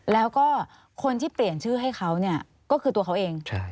แล้วก็คนที่เปลี่ยนชื่อให้เขาเนี่ยก็คือตัวเขาเอง